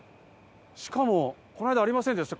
しかも、こないだありませんでした